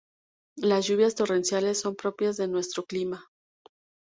Las lluvias torrenciales son propias de nuestro clima